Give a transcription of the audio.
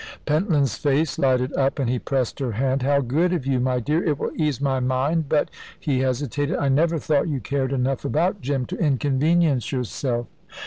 Pentland's face lighted up, and he pressed her hand. "How good of you, my dear! It will ease my mind; but " he hesitated "I never thought you cared enough about Jim to inconvenience yourself."